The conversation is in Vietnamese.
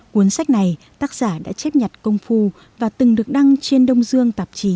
cuốn sách này tác giả đã chép nhặt công phu và từng được đăng trên đông dương tạp chí